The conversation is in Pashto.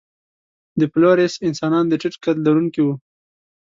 د فلورېس انسانان د ټیټ قد لرونکي وو.